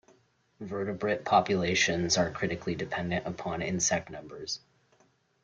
Vertebrate populations are critically dependent upon insect numbers.